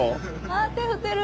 あ手振ってる。